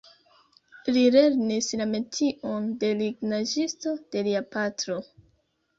Li lernis la metion de lignaĵisto de lia patro.